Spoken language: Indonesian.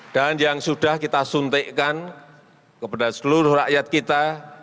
dan yang sudah kita suntikkan kepada seluruh rakyat kita